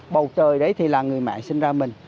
bầu trời đấy thì là người mẹ sinh ra mình